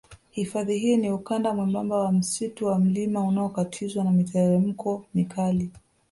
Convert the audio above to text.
Hifadhi hii ni ukanda mwembamba wa msitu wa mlima unaokatizwa na miteremko mikali